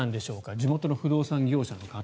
地元の不動産業者の方。